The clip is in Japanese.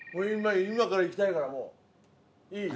今からいきたいからもういい？